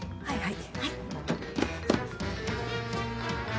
はい！